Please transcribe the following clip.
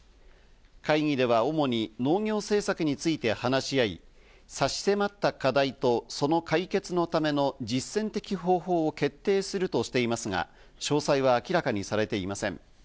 会議では主に農業政策について話し合い、差し迫った課題とその解決のための実践的方法を決定するとしていますが、詳細は明らかにされていません。